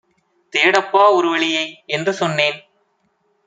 தேடப்பா ஒருவழியை என்றுசொன்னேன்.